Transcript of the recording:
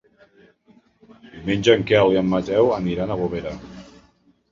Diumenge en Quel i en Mateu iran a Bovera.